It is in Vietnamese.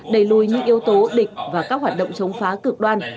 đẩy lùi những yếu tố địch và các hoạt động chống phá cực đoan